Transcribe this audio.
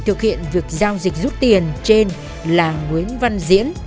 thực hiện việc giao dịch rút tiền trên là nguyễn văn diễn